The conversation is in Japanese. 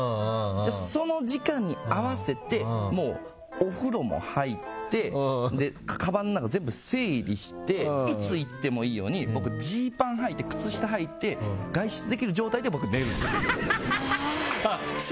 じゃあ、その時間に合わせてお風呂も入ってかばんの中、全部整理していつ行ってもいいように僕、ジーパンはいて靴下履いて外出できる状態で僕、寝るんです。